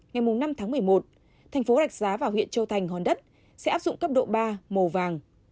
ngày năm tháng một mươi một thành phố rạch giá và huyện châu thành hòn đất sẽ áp dụng cấp độ ba màu vàng